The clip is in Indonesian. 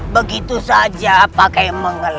begitu saja pakai mengel